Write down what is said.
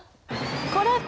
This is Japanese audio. これ！